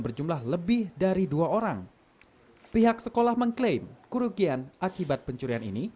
berjumlah lebih dari dua orang pihak sekolah mengklaim kerugian akibat pencurian ini